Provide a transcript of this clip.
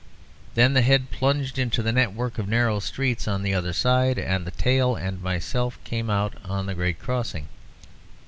Then the head plunged into the network of narrow streets on the other side, and the tail and myself came out on the great crossing.